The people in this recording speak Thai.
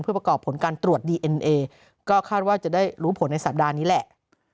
เพื่อประกอบผลการตรวจดีเอ็นเอก็คาดว่าจะได้รู้ผลในสัปดาห์นี้แหละ